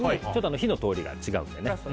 火の通りが違うので。